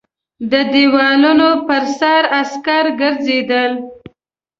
د دېوالونو پر سر عسکر ګرځېدل.